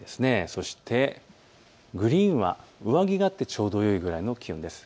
そしてグリーンは上着があってちょうどよいくらいの気温です。